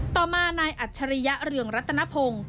ต่อมานายอัจฉริยะเรืองรัตนพงศ์